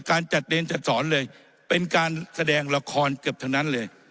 การจัดเนรจัดสอนเลยเป็นการแสดงละครเกือบทั้งนั้นเลย